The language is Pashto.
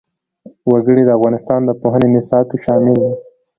وګړي د افغانستان د پوهنې نصاب کې شامل دي.